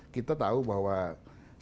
kita tahu bahwa singapura akan lancar